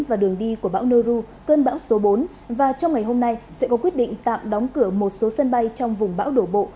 và đường đi của bão neru cơn bão số bốn và trong ngày hôm nay sẽ có quyết định tạm đóng cửa một số sân bay trong vùng bão đổ bộ